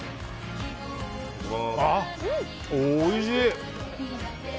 あ、おいしい！